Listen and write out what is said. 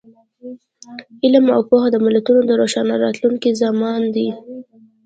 علم او پوهه د ملتونو د روښانه راتلونکي ضامن دی.